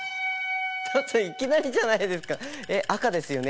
ちょっといきなりじゃないですかえっ赤ですよね？